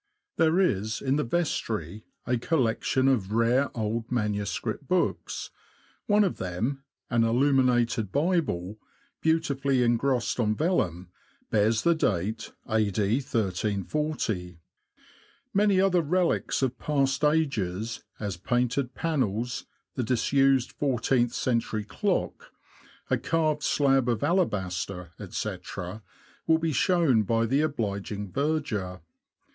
There is, in the vestry, a collection of rare old manuscript books ; one of them, an illuminated Bible, beautifully engrossed on vellum, bears the date A.D. 1340. Many other relics of past ages, as painted panels, the disused fourteenth century clock, a carved slab of alabaster, &c., will be shown by the obliging verger.